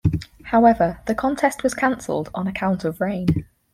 However, the contest was canceled on account of rain.